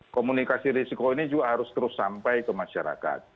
komunikasi risiko ini juga harus terus sampai ke masyarakat